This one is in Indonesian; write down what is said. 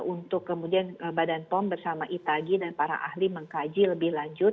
untuk kemudian badan pom bersama itagi dan para ahli mengkaji lebih lanjut